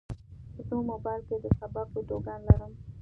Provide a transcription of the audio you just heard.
زه موبایل کې د سبق ویډیوګانې لرم.